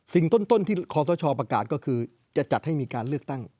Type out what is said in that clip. ต้นที่ขอสชประกาศก็คือจะจัดให้มีการเลือกตั้ง